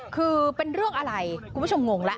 คือเป็นเรื่องอะไรคุณผู้ชมงงแล้ว